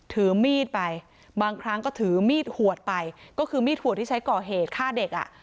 ถือมีดไปบางครั้งก็ถือมีดหวดไปก็คือมีดหัวที่ใช้ก่อเหตุฆ่าเด็กอ่ะ